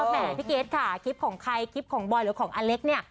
แหมพี่เกดค่ะคลิปของใครคลิปของบอยหรือของอเล็กเนี่ย